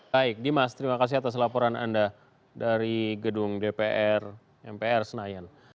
baik dimas terima kasih atas laporan anda dari gedung dpr mpr senayan